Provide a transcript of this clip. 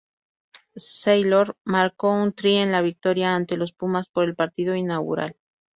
Sailor marcó un try en la victoria ante los Pumas por el partido inaugural.